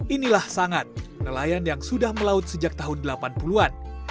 inilah sangat nelayan yang sudah melaut sejak tahun delapan puluh an